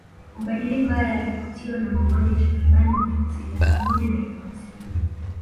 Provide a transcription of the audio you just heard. Mabadiliko haya yalifuatiwa na mauaji ya takriban Watutsi laki moja na elfu hamsini